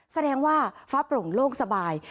แสดงว่าฟ้าโปร่งโล่งสบาย